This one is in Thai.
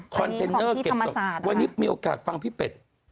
เทนเนอร์เก็บศพวันนี้มีโอกาสฟังพี่เป็ด